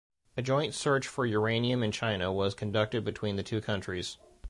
A joint search for uranium in China was conducted between the two countries.